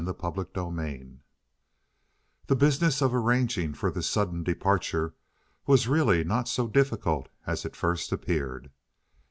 CHAPTER XXIII The business of arranging for this sudden departure was really not so difficult as it first appeared.